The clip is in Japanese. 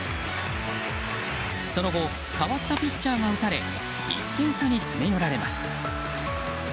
その後、代わったピッチャーが打たれ、１点差に詰め寄られます。